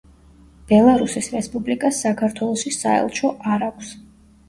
ბელარუსის რესპუბლიკას საქართველოში საელჩო არ აქვს.